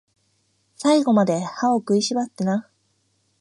最後まで、歯食いしばってなー